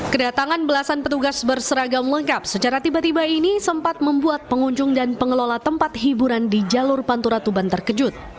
kedatangan belasan petugas berseragam lengkap secara tiba tiba ini sempat membuat pengunjung dan pengelola tempat hiburan di jalur pantura tuban terkejut